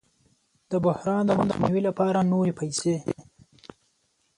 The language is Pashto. د بحران د مخنیوي لپاره نورې پیسې